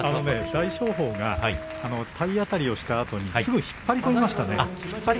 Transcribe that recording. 大翔鵬が体当たりしたあと引っ張り込みましたね。